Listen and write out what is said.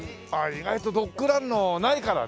意外とドッグランのないからね。